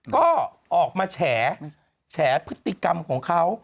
ก็ออกมาแฉพฤติกรรมของเขา